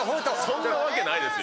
そんなわけないですよ。